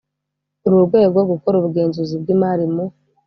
urwo rwego gukora ubugenzuzi bw imari mu